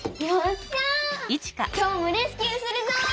きょうもレスキューするぞ！